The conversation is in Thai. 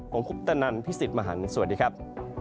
ผมคุปตนันพี่สิทธิ์มหันฯสวัสดีครับ